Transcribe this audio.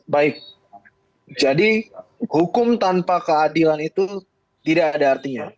baik jadi hukum tanpa keadilan itu tidak ada artinya